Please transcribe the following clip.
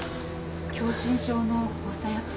狭心症の発作やて。